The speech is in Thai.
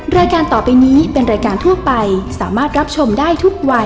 รายการต่อไปนี้เป็นรายการทั่วไปสามารถรับชมได้ทุกวัย